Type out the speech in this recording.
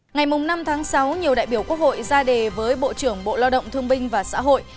ngày năm tháng sáu nhiều đại biểu quốc hội ra đề với bộ trưởng bộ lao động thương binh và xã hội